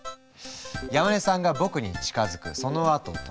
山根さんが僕に近づくそのあと止まる。